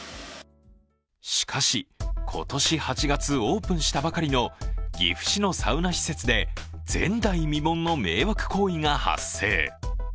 しかし、今年８月オープンしたばかりの岐阜市のサウナ施設で、前代未聞の迷惑行為が発生。